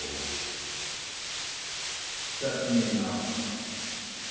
Certainly not.